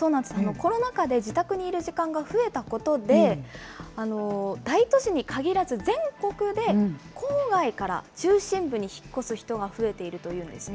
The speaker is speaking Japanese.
コロナ禍で自宅にいる時間が増えたことで、大都市に限らず、全国で郊外から中心部に引っ越す人が増えているというんですね。